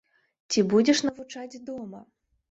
Ці будзеш навучаць дома?